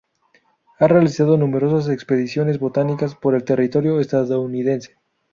Ha realizado numerosas expediciones botánicas por el territorio estadounidense.